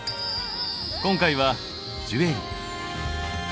今回は「ジュエリー」。